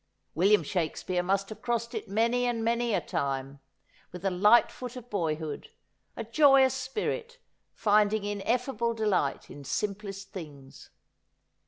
William Shakespeare must have crossed it many and many a time, with the light foot of boyhood ; a joyous spirit, finding inefEable delight in simplest things.